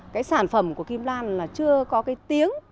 cái sản phẩm của kim lan là chưa có cái tiếng